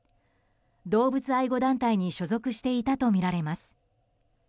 動物愛護団体に所属していたとみられます。